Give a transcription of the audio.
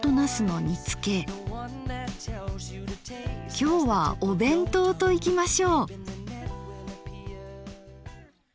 きょうはお弁当といきましょう。